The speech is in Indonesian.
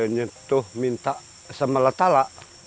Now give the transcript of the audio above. nyentuh minta sama latala